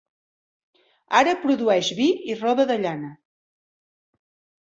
Ara produeix vi i roba de llana.